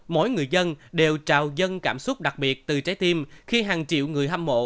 mỗi người dân đều trào dân cảm xúc đặc biệt từ trái tim khi hàng triệu người hâm mộ